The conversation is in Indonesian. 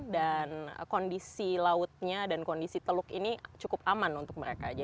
dan kondisi lautnya dan kondisi teluk ini cukup aman untuk mereka